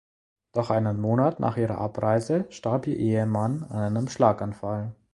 Doch einen Monat nach ihrer Abreise starb ihr Ehemann an einem Schlaganfall.